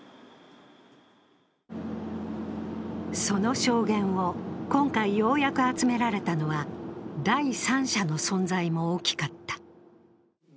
その証言を今回ようやく集められたのは、第三者の存在も大きかった。